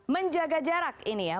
menjaga jarak ini ya